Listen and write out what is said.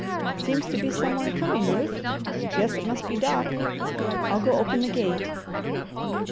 "Seems to be some one coming, Ruth! Guess it must be Doc. I'll go open the gate?"